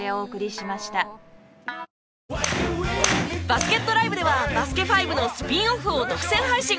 バスケットＬＩＶＥでは『バスケ☆ＦＩＶＥ』のスピンオフを独占配信！